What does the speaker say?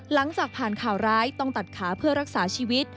หลังจากผ่านข่าวร้ายต้องตัดขาเพื่อรักษาชีวิต